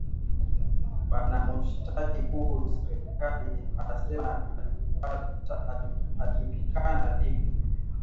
Bana mushitaki ku serikali asema alipikana ribwe